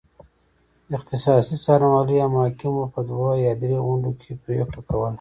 اختصاصي څارنوالۍ او محاکمو به په دوه یا درې غونډو کې پرېکړه کوله.